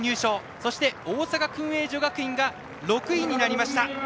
そして大阪薫英女学院が６位になりました。